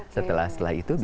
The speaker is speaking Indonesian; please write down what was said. setelah itu bisa